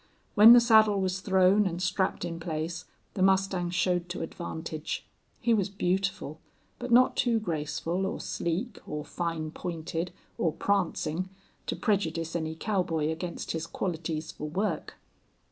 When the saddle was thrown and strapped in place the mustang showed to advantage. He was beautiful, but not too graceful or sleek or fine pointed or prancing to prejudice any cowboy against his qualities for work.